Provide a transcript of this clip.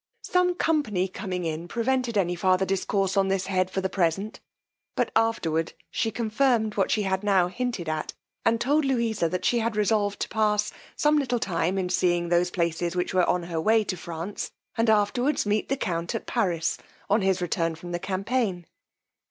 Some company coming in, prevented any farther discourse on this head for the present; but afterward she confirmed what she had now hinted at, and told Louisa, that she had resolved to pass some little time in seeing those places which were in her way to France, and afterwards meet the count at Paris, on his return from the campaign.